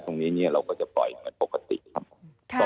ตรงนี้เราก็จะปล่อยเหมือนปกติครับผม